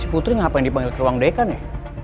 si putri kenapa dipanggil ke ruang dekan ya